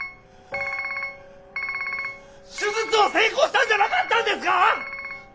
手術は成功したんじゃなかったんですか！